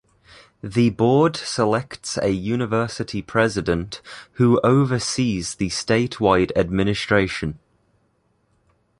The Board selects a University President who oversees the statewide administration.